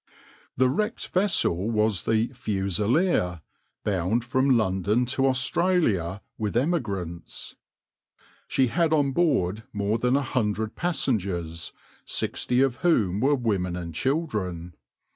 \par The wrecked vessel was the {\itshape{Fusilier}}, bound from London to Australia with emigrants. She had on board more than a hundred passengers, sixty of whom were women and children.